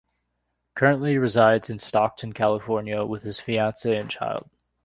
Currently resides in Stockton, California with his fiance and child.